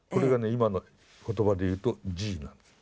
今の言葉で言うと「Ｇ」なんです。